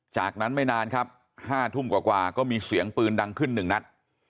จากนั้นไม่นานครับ๕ทุ่มกว่าก็มีเสียงปืนดังขึ้น๑นัด